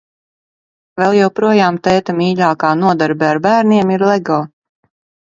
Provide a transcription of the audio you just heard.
Vēl joprojām tēta mīļākā nodarbe ar bērniem ir lego.